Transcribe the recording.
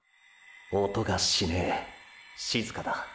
音がしねぇ静かだ。